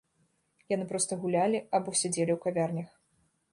Яны проста гулялі або сядзелі ў кавярнях.